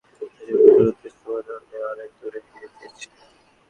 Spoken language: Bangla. ইতোমধ্যেই মদীনার তিন হাজার মুজাহিদ মুতার উদ্দেশে মদীনা হতে অনেক দূর এগিয়ে গিয়েছিল।